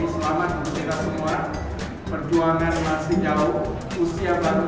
selamat berjaya semua berjuang yang masih jauh usia baru enam belas